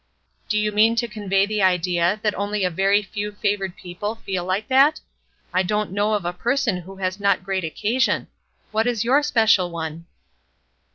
"Do you mean to convey the idea that only a very few favored people feel like that? I don't know of a person who has not great occasion. What is your special one?"